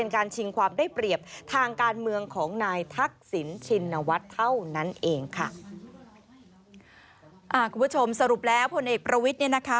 คุณผู้ชมสรุปแล้วพลเอกประวินทร์